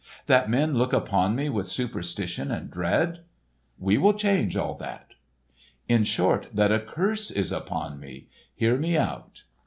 "That men look upon me with superstition and dread——" "We will change all that." "In short, that a curse is upon me? Hear me out!"